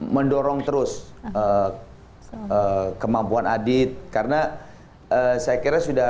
mendorong terus kemampuan adit karena saya kira sudah